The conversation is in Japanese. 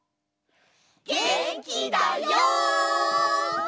げんきだよ！